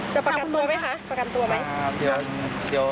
ประกันตัวไหมคะประกันตัวไหม